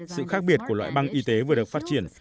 sự khác biệt của loại băng y tế vừa được phát triển